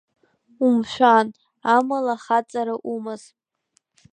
Умшәан, амала ахаҵара умаз.